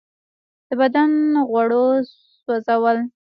د بدن غوړو سوځول.